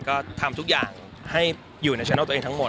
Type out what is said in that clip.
ก็ทำทุกอย่างให้อยู่ในชนัลตัวเองทั้งหมด